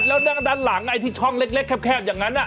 แล้วนั่งด้านหลังไอ้ที่ช่องเล็กแคบอย่างนั้น